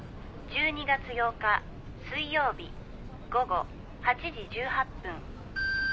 「１２月８日水曜日午後８時１８分」